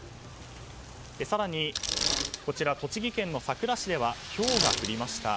更に、栃木県さくら市ではひょうが降りました。